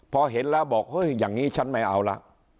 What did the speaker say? พอเห็นแล้วบอกเฮ้ยอย่างนี้ฉันไม่เอาละ